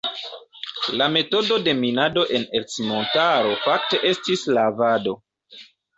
La metodo de minado en Ercmontaro fakte estis "lavado".